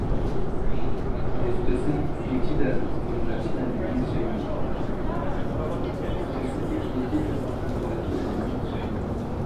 The specific "nitidus" is from Latin and means "shining".